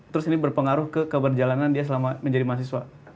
terus ini berpengaruh ke keberjalanan dia selama menjadi mahasiswa